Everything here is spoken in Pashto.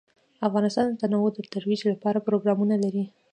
افغانستان د تنوع د ترویج لپاره پروګرامونه لري.